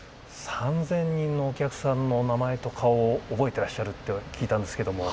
３，０００人のお客さんの名前と顔を覚えてらっしゃると聞いたんですけども。